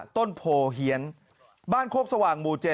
ต้นโพเฮียนบ้านโคกสว่างหมู่๗